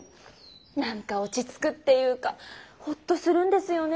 なんか落ちつくっていうかホッとするんですよねェー。